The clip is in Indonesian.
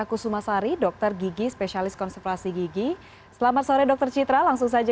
kusumasari dokter gigi spesialis konservasi gigi selamat sore dokter citra langsung saja